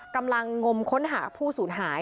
กำลังงมค้นหาผู้สูญหาย